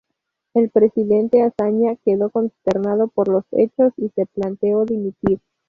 El presidente Azaña quedó consternado por los hechos y se planteó dimitir.